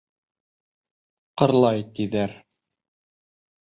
Ҡырлай, тиҙәр.